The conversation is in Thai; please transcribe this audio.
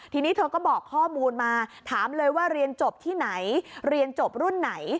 ทีนี้เธอก็บอกข้อมูลมาถามเลยว่าเรียนจบที่ไหนเรียนจบรุ่นไหน